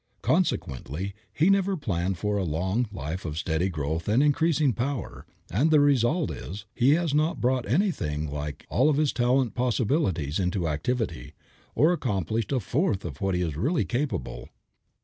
Consequently he never planned for a long life of steady growth and increasing power, and the result is he has not brought anything like all of his latent possibilities into activity, or accomplished a fourth of what he is really capable.